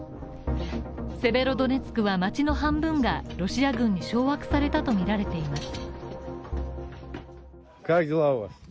セベロドネツクは町の半分がロシア軍に掌握されたとみられています